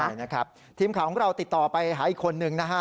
ใช่นะครับทีมข่าวของเราติดต่อไปหาอีกคนนึงนะฮะ